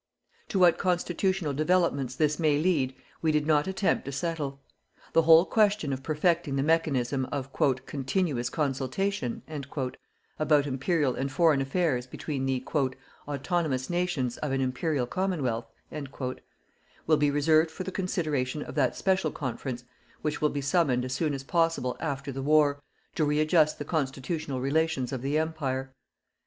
To what constitutional developments this may lead we did not attempt to settle. The whole question of perfecting the mechanism of "continuous consultation" about Imperial and foreign affairs between the "autonomous nations of an Imperial Commonwealth" will be reserved for the consideration of that special Conference which will be summoned as soon as possible after the war to readjust the constitutional relations of the Empire.